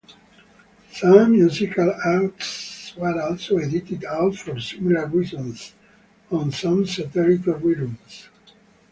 Some musical acts were also edited out for similar reasons on some satellite reruns.